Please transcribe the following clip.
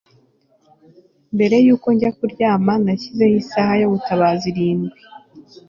Mbere yuko njya kuryama nashyizeho isaha yo gutabaza irindwi